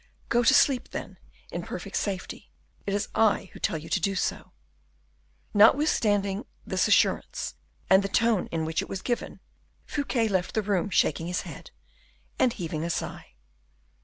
"Go to sleep, then, in perfect safety it is I who tell you to do so." Notwithstanding this assurance, and the tone in which it was given, Fouquet left the room shaking his head, and heaving a sigh.